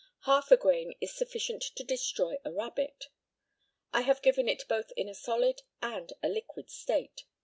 Half a grain is sufficient to destroy a rabbit. I have given it both in a solid and a liquid state.